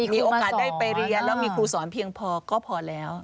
มีโอกาสได้ไปเรียนแล้วมีครูสอนเพียงพอก็พอแล้ว